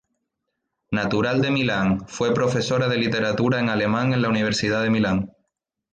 Natural de Milán, fue profesora de literatura en alemán en la Universidad de Milán.